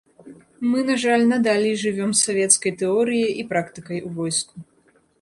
Мы, на жаль, надалей жывём савецкай тэорыяй і практыкай у войску.